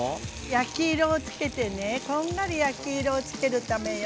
焼き色をつけてねこんがり焼き色をつけるためよ。